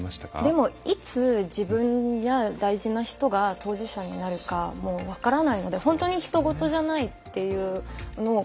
でも、いつ自分や大事な人が当事者になるかも分からないので本当に、ひとごとじゃないっていう感覚が大事で。